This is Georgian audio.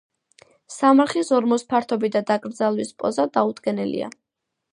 სამარხის ორმოს ფართობი და დაკრძალვის პოზა დაუდგენელია.